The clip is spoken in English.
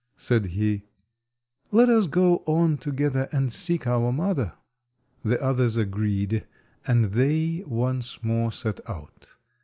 said he; "let us go on together and seek our mother." The others agreed, and they once more set out.